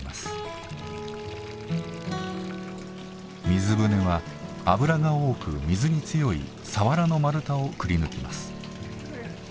水舟は油が多く水に強いサワラの丸太をくりぬきます。